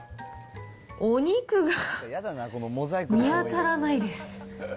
お肉が、見当たらないです。